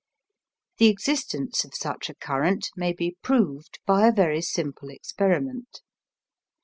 The existence of such a current may be proved by a very simple experiment.